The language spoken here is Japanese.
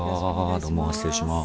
どうも失礼します。